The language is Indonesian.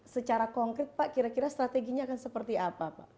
secara konkret pak kira kira strateginya akan seperti apa pak